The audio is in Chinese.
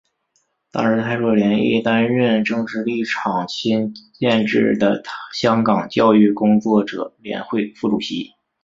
当时蔡若莲亦担任政治立场亲建制的香港教育工作者联会副主席。